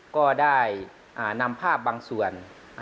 ก็ได้นำภาพบางส่วน